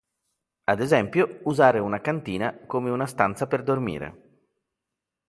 Ad esempio, usare una cantina come una stanza per dormire.